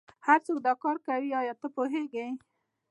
هرڅوک دا کار کوي ایا ته پوهیږې